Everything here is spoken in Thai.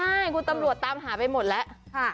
ใช่คุณตำรวจตามหาไปหมดแล้ว